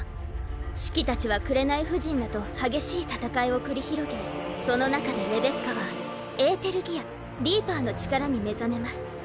シキたちは紅婦人らと激しい戦いを繰り広げその中でレベッカはエーテルギアリーパーの力に目覚めます。